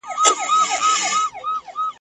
ښځي خپل ارزښت او درنښت په نړی منلی وو